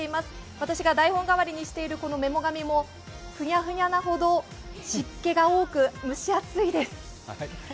私が台本代わりにしているメモ紙もふにゃふにゃなほど湿気が多く蒸し暑いです。